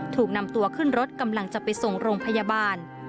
ถูกนำตัวขึ้นรถกำลังจะไปส่งโรงพยาบาล